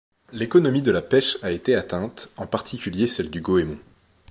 L'économie de la pêche a été atteinte, en particulier celle du goémon.